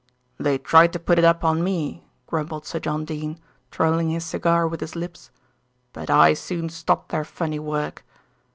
"They tried to put it up on me," grumbled Sir John Dene, twirling his cigar with his lips, "but I soon stopped their funny work."